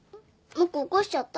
ムック起こしちゃった？